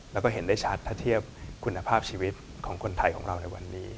แล้วก็เห็นได้ชัดถ้าเทียบคุณภาพชีวิตของคนไทยของเราในวันนี้